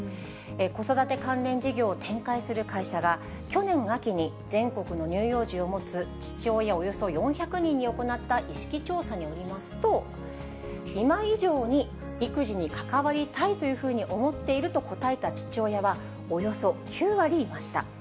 子育て関連事業を展開する会社が、去年秋に全国の乳幼児を持つ父親およそ４００人に行った意識調査によりますと、今以上に育児に関わりたいというふうに思っていると答えた父親は、およそ９割いました。